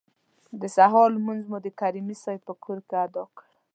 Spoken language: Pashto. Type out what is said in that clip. د سهار لمونځ مو د کریمي صیب په کور کې ادا کړ.